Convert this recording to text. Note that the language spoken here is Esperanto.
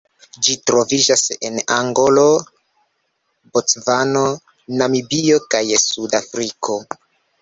Ĝi troviĝas en Angolo, Bocvano, Namibio kaj Sudafriko.